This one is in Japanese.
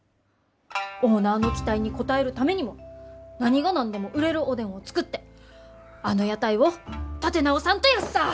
オーナーの期待に応えるためにも何が何でも売れるおでんを作ってあの屋台を立て直さんとヤッサー！